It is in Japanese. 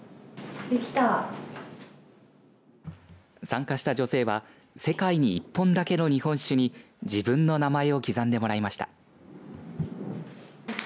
参加した女性は世界に１本だけの日本酒に自分の名前を刻んでもらいました。